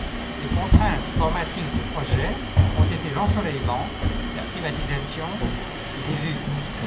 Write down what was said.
Les contraintes formatrices du projet ont été l’ensoleillement, la privatisation et les vues.